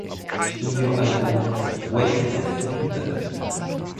Studioalbum "Wake the Sleeper".